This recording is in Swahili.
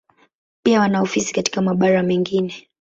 Pia wana ofisi katika mabara mengine.